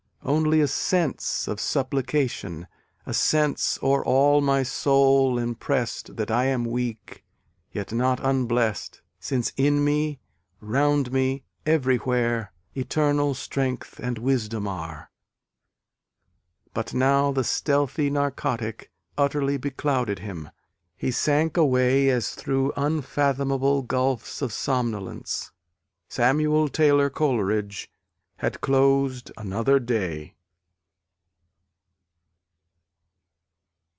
Only a sense of supplication, A sense o'er all my soul impressed That I am weak, yet not unblest, Since in me, round me, every where Eternal Strength and Wisdom are. But now the stealthy narcotic utterly beclouded him: he sank away as through unfathomable gulfs of somnolence. Samuel Taylor Coleridge had closed another day.